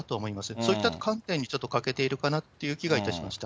そういった観点にちょっと欠けているかなという気がいたしました。